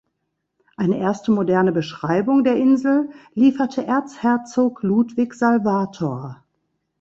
Eine erste moderne Beschreibung der Insel lieferte Erzherzog Ludwig Salvator.